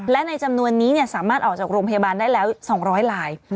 และในจำนวนนี้สามารถออกจากโรงพยาบาลได้แล้ว๒๐๐ลาย